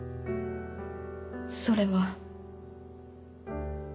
それは。